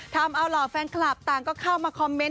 ทำเอาเหล่าแฟนคลับต่างก็เข้ามาคอมเมนต